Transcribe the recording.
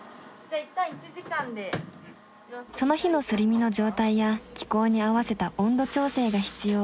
その日のすり身の状態や気候に合わせた温度調整が必要。